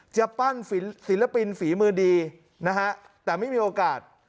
จะปั้นศิลปินฝีมือดีนะฮะแต่ไม่มีโอกาส